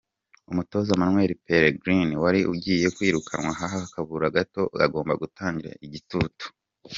Umutoza Manuelle Pellegrini wari ugiye kwirukanwa hakabura gato agomba gutangira igitutu.